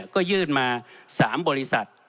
ก็ยื่นมา๓บริษัท